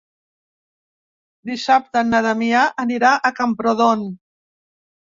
Dissabte na Damià anirà a Camprodon.